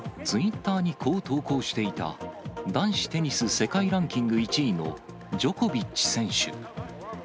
ツイッターにこう投稿していた、男子テニス世界ランキング１位のジョコビッチ選手。